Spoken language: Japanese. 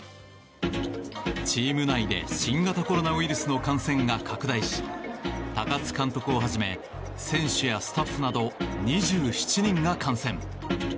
チーム内で新型コロナウイルスの感染が拡大し高津監督をはじめ選手やスタッフなど２７人が感染。